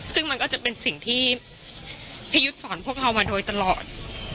ซึ่งมันก็จะเป็นสิ่งที่พี่ยุทธ์สอนพวกเรามาโดยตลอด